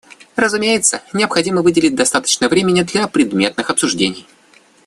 Разумеется, необходимо выделить достаточно времени для предметных обсуждений.